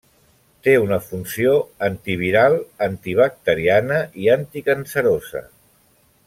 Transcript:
Té una funció antiviral, antibacteriana i anticancerosa.